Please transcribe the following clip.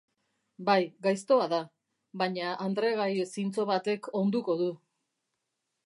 Bai, gaiztoa da, baina andregai zintzo batek onduko du